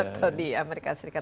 atau di amerika serikat